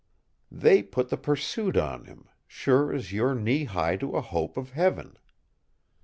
They put the pursuit on him, sure as you're knee high to a hope of heaven!"